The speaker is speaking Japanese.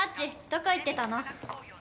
どこ行ってたの？